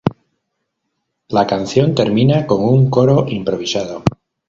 La canción termina con un coro improvisado.